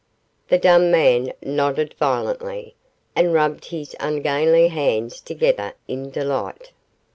The dumb man nodded violently, and rubbed his ungainly hands together in delight.